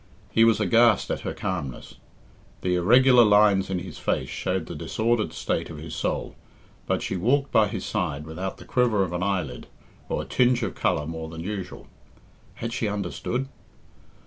He was aghast at her calmness. The irregular lines in his face showed the disordered state of his soul, but she walked by his side without the quiver of an eyelid, or a tinge of colour more than usual. Had she understood?